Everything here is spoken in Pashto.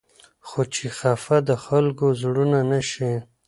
خو چې خفه د خلقو زړونه نه شي